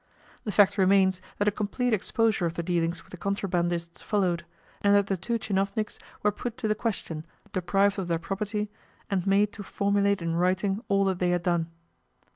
The fact remains that a complete exposure of the dealings with the contrabandists followed, and that the two tchinovniks were put to the question, deprived of their property, and made to formulate in writing all that they had done.